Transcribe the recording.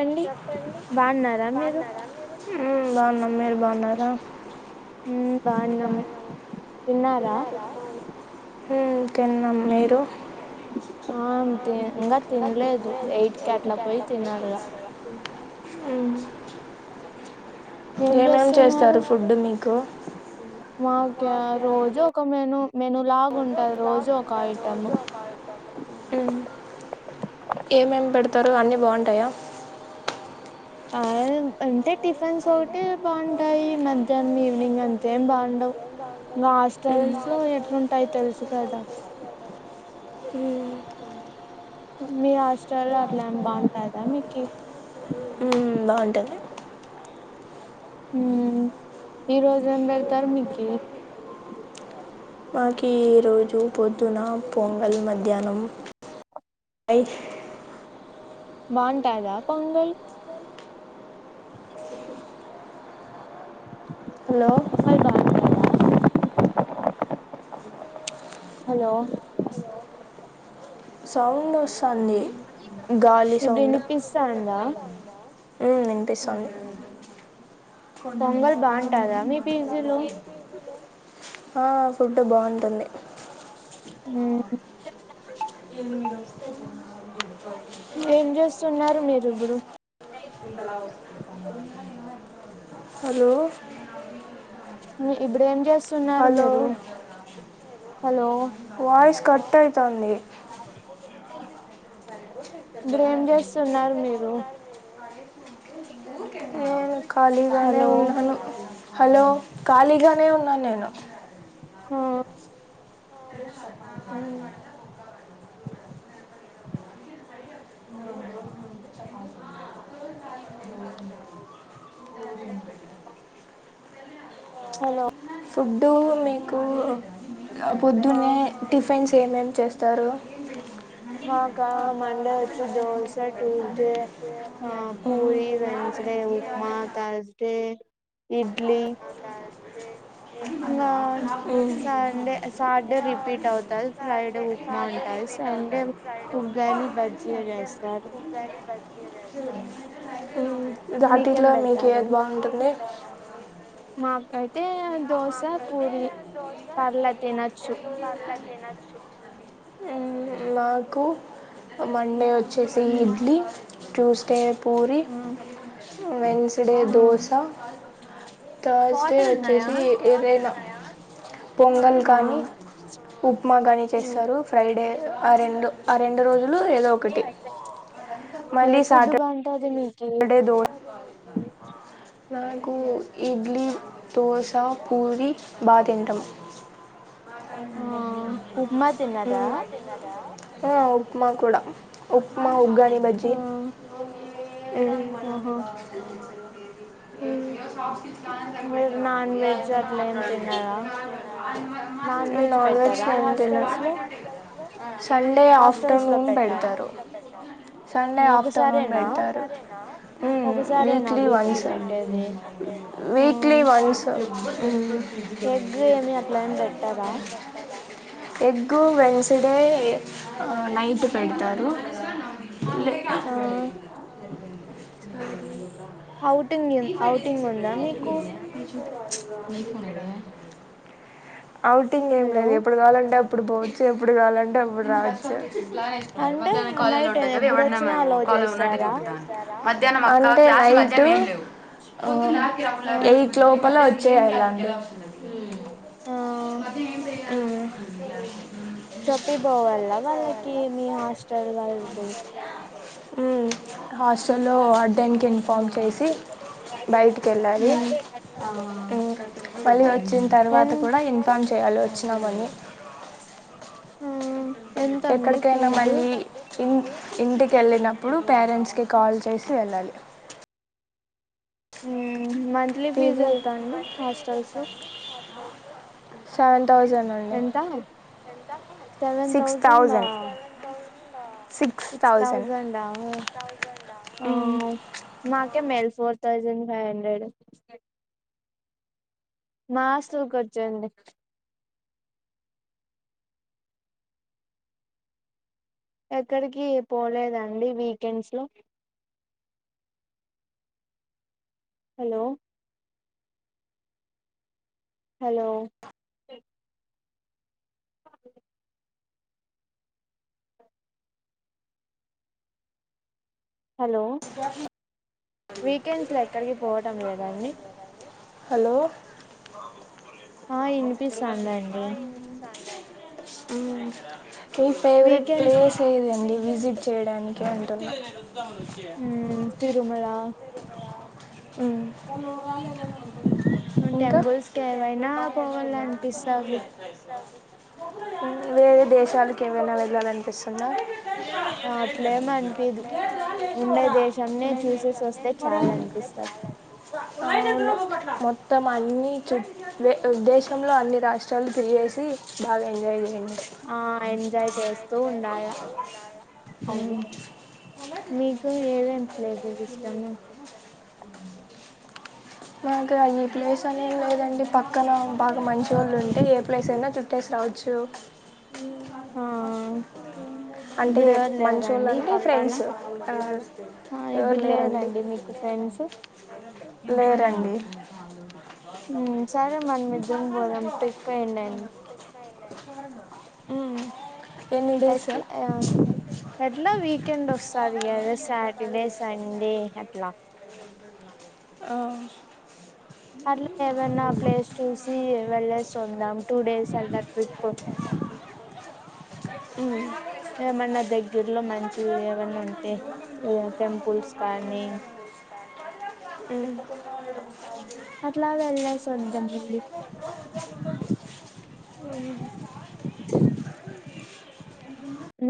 అండి చెప్పండి బాగున్నారా మీరు బాన్నారా మీరు ఉమ్ బానామ్ మీరు బాన్నారా ఆ మ్మ్ బాగున్నాం బాన్నాం తిన్నారా చాపలు ఉమ్ ఆ తి ఇంకా తినలేదు ఎయిట్కి అట్లా పోయి తినాల ఉమ్ ఏం ఏమేమ్ చేస్తారు ఫుడ్ మీకు మాక రోజు ఒక మేను మేను లాగ ఉంట ఒకలాంటి హమ్ ఏం ఏం పెడతారు అని బాగుంటాయా ఆ అంటే టిఫిన్స్ ఒకటి బాగుంటాయి మధ్యాహ్నం ఈవినింగ్ అంతేం బాండవు ఇంకా మ్మ్. హాస్టల్స్ లో ఎట్లుంటాయి తెలుసు కదా ఉమ్ మీ హాస్టల్లో అట్లెమ్ బాగుంటాదా మీకి ఉమ్ బాగుంటుంది ఉ ఈ రోజు ఏం పెడతారు మీకి మాకు ఈ రోజు పొద్దున పొంగల్ మధ్యానామ్ రైస్ బాంటాదా పొంగల్ హలో పొంగల్ బాగుంటదా హలో సౌడ్ వస్తున్ అండి ఇప్పుడు గాలి సౌండ్ వినిపిస్తాందా ఉమ్ వినిపిస్తాంది కొన్నిం పొంగల్ నలా ఉ బాగుంటదా మీ మనక పీజీలో ఉ ఆ ఫుడ్ బాగుంటుంది ఉమ్ ఎ మీరు వస్తే [inaudible] ఏం చూస్తున్నారు మీరు రుబడుూ హలో ఇప్పుడు ఏం చే స్తున్నారు హలో మీరు హలో వాయిస్ కట్ అయితంది [unintelligible] ఇప్పుడేమ్ చేస్తున్నారు మీరు ఇ నేను కాలిగానే ఉన్నాను హలో ఖాళీగానే ఉన్నాను నేను ఆ ఓ హలో ఫుడ్డు మీకు ఆ పొద్దున్నే టిఫిన్స్ ఏమేం ఏమేం చేస్తారు మాకా మండే వచ్చి దోశ ట్యూస్డే ఆ మ్మ్. పూరి వెన్స్డే ఉప్మా థర్స్డే ఇడ్లీ ఇంకా మ్మ్. సాండే సాటర్డే రిపీట్ అవుతారు ఫ్రైడే ఉప్మా ఉంటారు సండే ఉగ్గని బజ్జిగా చేస్తారు మీకేం దటిట్లో మీకు పెడతారు ఏది బాగుంటుంది అయితే తే దోశ పూర పర్ల తినొచ్చు నాకు మండే వచ్ చ్చసి idli Tuesday puri Wednesday dosa Thursday water వచ్చే ఉన్నాయా సి ఏదైనా పొంగల్ కానీ పు మాగానీ చేస్తారు ఫ్రైడే ఆ రెండు ఆ రెండు రోజులు ఏదో ఒకటి ఏ మళ్ళీ ఫుడ్ సాటర్డే బాగుంటది మీ ఏయ్ దో నాకు ఇడ్లీ దోశ పూరి బాతింటాము ఆ ఉప్మ తిన్నదా ఆ ఉప్మా కూడా ఉప్మా ఉగ్గాని బజ్జి ఆహా మ్ మీరు నాన్ వెజ్ అట్లా ఏం తిన్నారా [inaudible] నాన్ వెజ్ పెట్టారా న తిన, హాస్టల్స్ లో సండే హాస్టల్స్ లో ఆఫ్టర్నూన్ పెట్టారా పెడతారు, సండే ఆఫ్టర్నూన్ ఒకసారేనా పెడతారు, ఒకసారేనా వీక్లీ వీక్ కి వన్స్ పెట్టేది ఆ వీక్లీ వన్స్ ఆ ఎగ్ వెన్స్డే నైట్ పెడతారు ఆ ఔటింగ్ ఔటింగ్ ఉందా మీకు [inaudible] ఔటింగ్ ఏం హలో లేదు ఎప్పుడు కావాలంటే అ ఇప్పుడు పోవచ్చు ఎప్పుడు కావాలంటే అప్పుడు రావచ్చు లానేన్నారు అంటే మధ్యాహ్నం కాలేజ్ లో నైట్ ఉంటాయి కదా ఎవనా ఎప్పుడొచ్చినా మేము అలో కాలేజ్ ఉన్నట్టి చేస్తారా చూపిద్దాం అంటే నైట్ ఓ ఆ ఎయిట్ లోపల వచ్చేయిలాండి ఆ మ్ చెప్పిపోవాల వాళ్ళకి మీ హాస్టల్ వాళ్ళకి ఉ హాస్టల్లో అడ్డానికి ఫామ్ చేసి బయటికి వెళ్ళాలి మళ్ళ వచ్చిన తర్వాత ఎన్ కూడా ఇ చేయాలో వచ్చినామని మ్మ్ ఎంతండి ఎక్కడికైనా ఫీజు మళ్ళీ ఇ ఇంటికి వెళ్ళినప్పుడు పేరెంట్స్కి కాల్ చేసి వెళ్ళాలి ఉ మంత్లీ ఫీజ్ ఫీజు ఎంత అండి హాస్టల్స్ శాల ఎంత seven thousand six thousand male four thousand five hundred మాస్టల్ కొచ్చేండి ఎక్కడికి పోలేదండి వీకెండ్స్ లో హలో హలో హలో వీకెండ్స్లో ఎక్కడికి పోవటం లేదాండి హలో ఆ ఇనిపిస్తాదండి ఆ మీ ఫేవరెట్ వీకెండ్స్ ప్లేస్ ఏదండి విజిట్ చేయడానికి అంటుంది ఉ తిరుమళ ఉ టెంపుల్స్ కేవైనా పోవాలనిపిస్తది వేరే దేశాలకు ఏమైనా వెళ్ళాలనిపిస్తుందా అట్లేం అనిపిదు ఉండే ఉమ్ దేశంనే అట్లెమ్ చూసేసి వస్తే అనిపియదు చాలు అనిపిస్తది అవును మొత్తం అన్ని చే దేశంలో అన్ని రాష్ట్రాలు తిరిగేసి బాగా ఎంజాయ్ జేయండి ఆ ఎంజాయ్ చేస్తూ ఉండాల చేయండి మీ మీకు ఏవేమి ప్లేసెస్ ఇష్టము నాకు ఈ ప్లేస్ అనేం లేదండి పక్కన బాగా మంచోళ్ళు ఉంటే ఏ ప్లేస్ అయినా చుట్టేసి రావచ్చు. ఆ అంటే ఇప్పుడు ఎవరు మంచోళ్ళు లేరండి అంటే పక్కన ఫ్రెండ్స్ ఆ ఎవరు ఇప్పుడు లేరండి మీకు ఫ్రెండ్స్ రండి సరే మనం ఇద్రం బోదాం ట్రిప్ యెయిండండి అండి ఉమ్ ఎట్లా ఎట్లా వీకెండ్ వస్తాది గదా సాటర్డే సండే అట్లా ఆ అట్లా ఏమన్నా ప్లేస్ చూసి వెళ్ళేసొద్దాం టూ డేస్ అలా ట్రిప్ ఏమన్నా దగ్గరలో మంచివి ఏమన్నా ఉంటే టెంపుల్స్ కానీ అట్లా వెళ్ళేసొద్దాం అండి